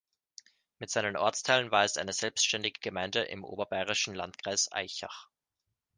Mit seinen Ortsteilen war es eine selbständige Gemeinde im oberbayerischen Landkreis Aichach.